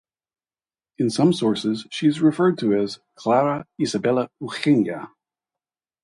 In some sources, she is referred to as Clara Isabella Eugenia.